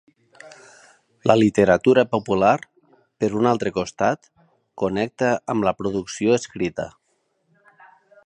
La literatura popular, per un altre costat, connecta amb la producció escrita.